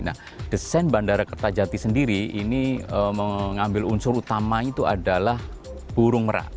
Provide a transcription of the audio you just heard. nah desain bandara kertajati sendiri ini mengambil unsur utama itu adalah burung merah